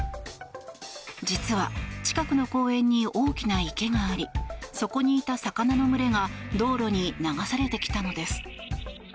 実は、近くの公園に大きな池がありそこにいた魚の群れが道路に流されてきたのです。